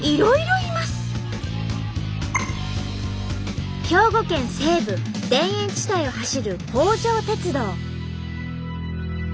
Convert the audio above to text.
最後は兵庫県西部田園地帯を走る北条鉄道。